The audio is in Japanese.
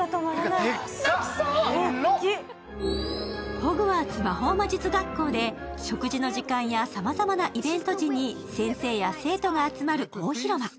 ホグワーツ魔法魔術学校で食事の時間やさまざまなイベント時に先生や生徒が集まる大広間。